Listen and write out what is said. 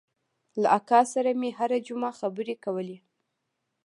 له اکا سره مې هره جمعه خبرې کولې.